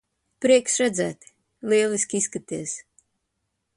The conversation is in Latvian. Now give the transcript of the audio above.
Prieks redzēt. Lieliski izskaties.